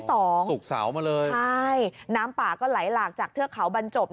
ศุกร์เสาร์มาเลยใช่น้ำป่าก็ไหลหลากจากเทือกเขาบรรจบ